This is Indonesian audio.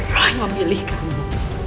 roy memilih kamu